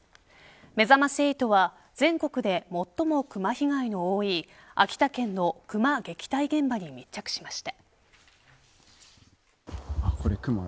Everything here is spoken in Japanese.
めざまし８は、全国で最も熊被害の多い秋田県の熊撃退現場に密着しました。